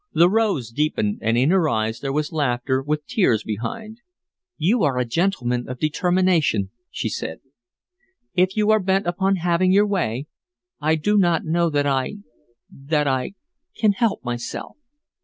The rose deepened, and in her eyes there was laughter, with tears behind. "You are a gentleman of determination," she said. "If you are bent upon having your way, I do not know that I that I can help myself.